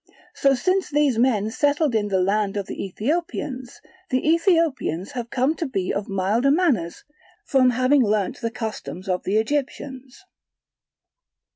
So since these men settled in the land of the Ethiopians, the Ethiopians have come to be of milder manners, from having learnt the customs of the Egyptians.